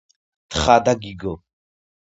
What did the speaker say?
თხა და გიგო